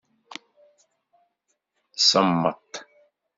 Semmeṭ.